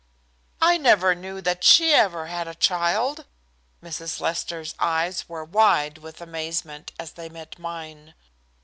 "I never knew that she ever had a child." Mrs. Lester's eyes were wide with amazement as they met mine.